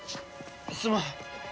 すまん。